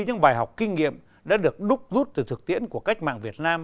những bài học kinh nghiệm đã được đúc rút từ thực tiễn của cách mạng việt nam